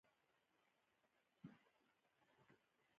تاریخ د خپل ولس د کلیوال ژوند انځور دی.